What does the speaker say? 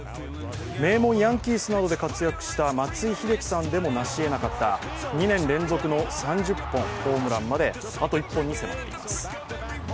名門・ヤンキースなどで活躍した松井秀喜さんでもなしえなかった２年連続の３０本ホームランまであと１本に迫っています。